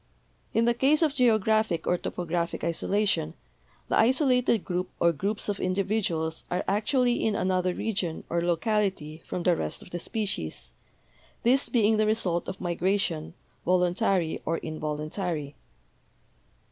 In the case of geo graphic or topographic isolation the isolated group or groups of individuals are actually in another region or locality from the rest of the species, this being the result of migration, voluntary or involuntary.